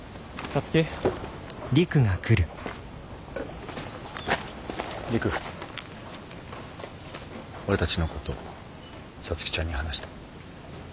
俺たちのこと皐月ちゃんに話した。